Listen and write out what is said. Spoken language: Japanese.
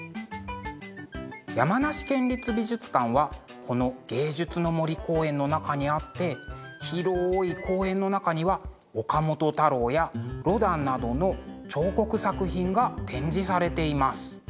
山梨県立美術館はこの芸術の森公園の中にあって広い公園の中には岡本太郎やロダンなどの彫刻作品が展示されています。